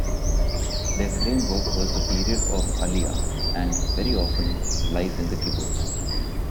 Their framework was the period of aliyah and, very often, life in the kibbutz.